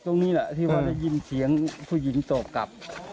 ที่ว่าได้ยินเสียงผู้หญิงตอบกลับ